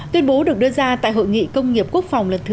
tuyên bố được đưa ra tại hội nghị công nghiệp quốc phòng lần thứ ba